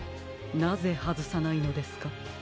なぜはずさないのですか？